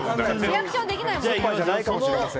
リアクションできないもん。